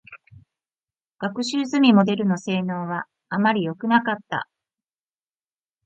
学習済みモデルの性能は、あまりよくなかった。